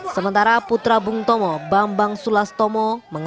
sementara putra bung tomo bambang sulastomo